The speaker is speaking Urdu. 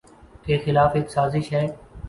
کے خلاف ایک سازش ہے۔